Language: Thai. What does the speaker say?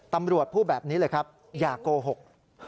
พูดแบบนี้เลยครับอย่าโกหก